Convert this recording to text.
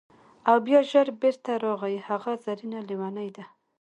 او بیا ژر بیرته راغی: هغه زرینه لیونۍ ده!